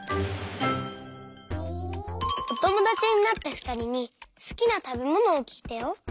おともだちになったふたりにすきなたべものをきいたよ。